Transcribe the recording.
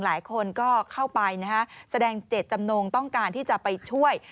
หลายคนก็เข้าไปนะฮะแสดงเจตจำนงต้องการที่จะไปช่วย